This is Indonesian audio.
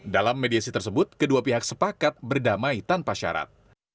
dalam mediasi tersebut kedua pihak sepakat berdamai tanpa syarat